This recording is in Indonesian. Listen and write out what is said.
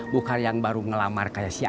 bukan yang baru ngelamar kaya si amin